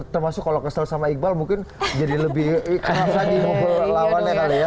termasuk kalau kesel sama iqbal mungkin jadi lebih kenapa di hubung lawannya kali ya